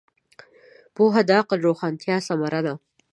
پوهه د عقل د روښانتیا ثمره ده.